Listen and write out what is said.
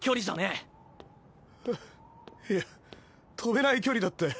えっいや飛べない距離だって。